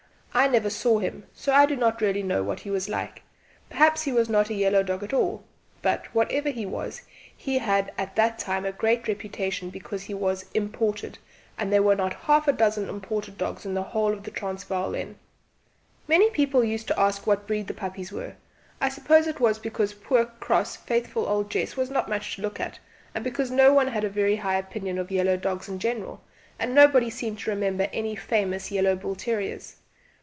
I never saw him, so I do not really know what he was like perhaps he was not a yellow dog at all; but, whatever he was, he had at that time a great reputation because he was 'imported,' and there were not half a dozen imported dogs in the whole of the Transvaal then. Many people used to ask what breed the puppies were I suppose it was because poor cross faithful old Jess was not much to look at, and because no one had a very high opinion of yellow dogs in general, and nobody seemed to remember any famous yellow bull terriers.